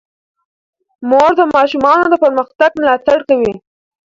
مور د ماشومانو د پرمختګ ملاتړ کوي.